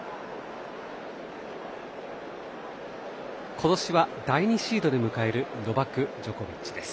今年は第２シードで迎えるノバク・ジョコビッチです。